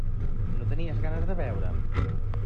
No tenies ganes de veure'm?